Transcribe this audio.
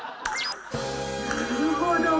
なるほど。